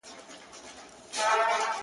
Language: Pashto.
ژبور او سترګور دواړه په ګور دي-